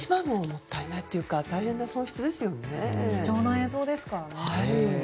もったいないというか貴重な映像ですからね。